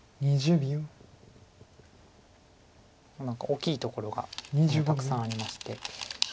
大きいところがまだたくさんありまして。